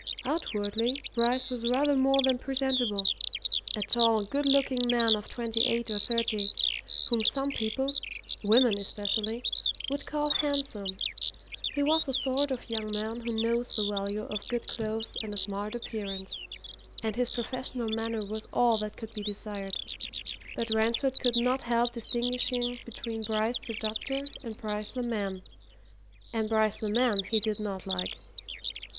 Outwardly, Bryce was rather more than presentable a tall, good looking man of twenty eight or thirty, whom some people women especially would call handsome; he was the sort of young man who knows the value of good clothes and a smart appearance, and his professional manner was all that could be desired. But Ransford could not help distinguishing between Bryce the doctor and Bryce the man and Bryce the man he did not like.